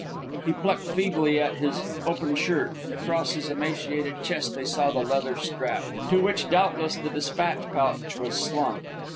He plucked feebly at his open shirt, and across his emaciated chest they saw the leather strap, to which, doubtless, the despatch pouch was slung.